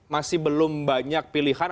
masih belum banyak pilihan